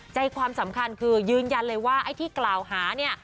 ใจความสำคัญคือยืนยันเลยว่าไอ้ที่กล่าวหาเนี่ย